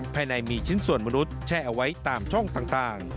ภายในมีชิ้นส่วนมนุษย์แช่เอาไว้ตามช่องต่าง